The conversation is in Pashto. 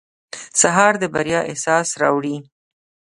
سهار د بریا احساس راوړي.